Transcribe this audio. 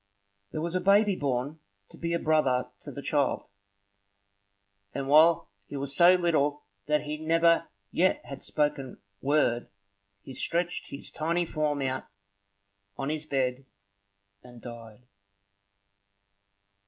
There was a baby born to be a brother to the child; and while he was so little that he never yet had spoken word, he stretched his tiny form out on his bed and died.